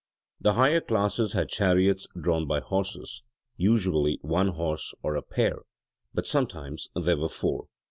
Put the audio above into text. The higher classes had chariots drawn by horses: usually one horse or a pair: but sometimes there were four.